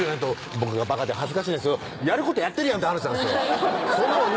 僕がバカで恥ずかしいんですよやることやってるやんって話なんですよ